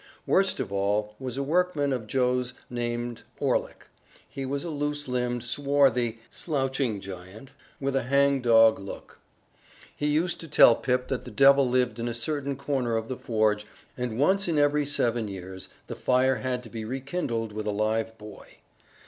Worst of all was a workman of Joe's named Orlick. He was a loose limbed, swarthy, slouching giant with a hangdog look. He used to tell Pip that the devil lived in a certain corner of the forge, and once in every seven years the fire had to be rekindled with a live boy.